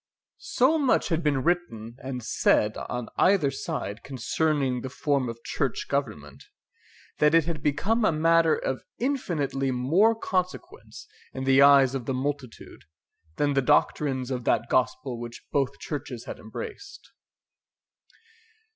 So much had been written and said on either side concerning the form of church government, that it had become a matter of infinitely more consequence in the eyes of the multitude than the doctrines of that gospel which both churches had embraced.